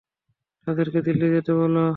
তাদেরকে দিল্লি যেতে বলো।